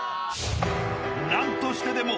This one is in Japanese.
［何としてでも］